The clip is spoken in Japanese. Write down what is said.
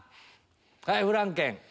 フランケン。